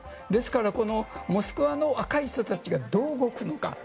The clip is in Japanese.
ですからモスクワの若い人たちがどう動くのか